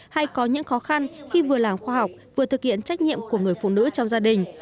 hay có những khó khăn khi vừa làm khoa học vừa thực hiện trách nhiệm của người phụ nữ trong gia đình